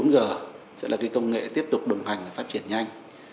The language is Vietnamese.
bốn g sẽ là công nghệ tiếp tục đồng hành và phát triển nhanh